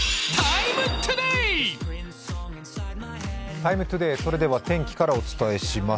「ＴＩＭＥ，ＴＯＤＡＹ」天気からお伝えしていきます。